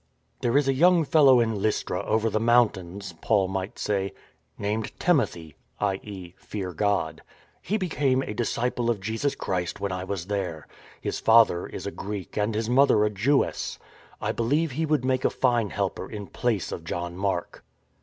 " There is a young fellow in Lystra over the moun tains," Paul might say, " named Timothy " (i.e. Fear God). " He became a disciple of Jesus Christ when I * See map at end. 168 JHE FORWARD TREAD was there. His father is a Greek and his mother a Jewess. I believe he would make a fine helper in place of John Mark."